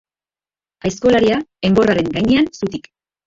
Aizkolaria, enborraren gainean zutik.